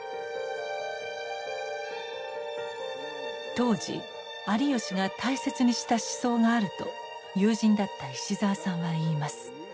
当時有吉が大切にした思想があると友人だった石澤さんは言います。